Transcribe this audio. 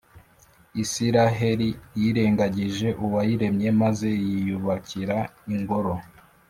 Israheli yirengagije Uwayiremye maze yiyubakira ingoro,